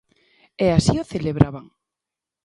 E así o celebraban.